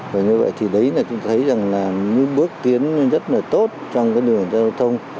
và như vậy thì đấy là chúng thấy rằng là những bước tiến rất là tốt trong cái đường giao thông